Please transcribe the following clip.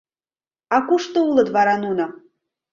— А кушто улыт вара нуно?